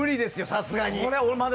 さすがに。